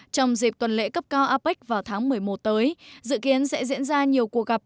trong dịp tuần lễ cấp cao apec vào tháng một mươi một tới dự kiến sẽ diễn ra nhiều cuộc gặp